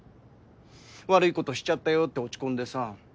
悪いことしちゃったよって落ち込んでさ